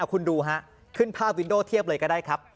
คุณดูฮะขึ้นภาพวินโดเทียบเลยก็ได้ครับ